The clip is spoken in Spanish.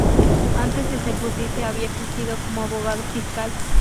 Antes de ser Justicia había ejercido como abogado fiscal.